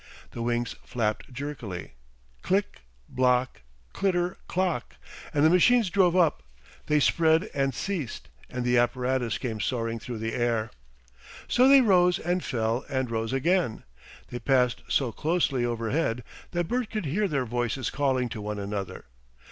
The wings flapped jerkily, click, block, clitter clock, and the machines drove up; they spread and ceased, and the apparatus came soaring through the air. So they rose and fell and rose again. They passed so closely overhead that Bert could hear their voices calling to one another.